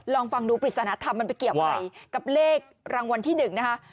ลองฟังดูปริศนธรรมมันไปเกี่ยวอะไรกับเลขรางวัลที่๑นะคะ